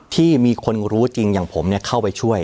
ที่มีคนรู้จริงอย่างผมเข้าไปช่วย